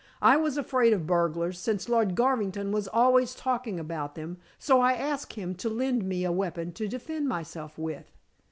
I was afraid of burglars, since Lord Garvington was always talking about them, so I asked him to lend me a weapon to defend myself with."